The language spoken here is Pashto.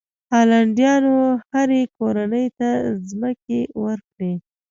هالنډیانو هرې کورنۍ ته ځمکې ورکړې.